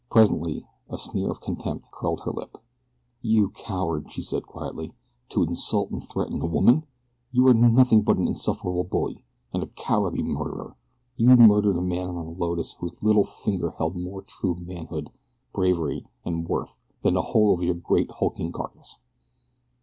Presently a sneer of contempt curled her lip. "You coward!" she said quietly. "To insult and threaten a woman! You are nothing but an insufferable bully, and a cowardly murderer. You murdered a man on the Lotus whose little finger held more true manhood, bravery, and worth than the whole of your great, hulking carcass.